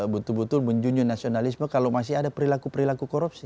betul betul menjunjung nasionalisme kalau masih ada perilaku perilaku korupsi